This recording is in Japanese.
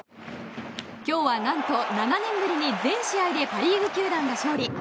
今日はなんと７年ぶりに全試合でパ・リーグ球団が勝利。